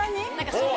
そう。